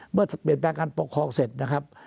เมื่อเปลี่ยนแปลงการปกครองเสร็จนะครับ